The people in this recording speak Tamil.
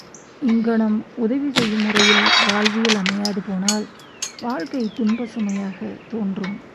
இங்ஙனம் உதவி செய்யும் முறையில் வாழ்வியல் அமையாது போனால் வாழ்க்கை துன்பச் சுமையாக தோன்றும்.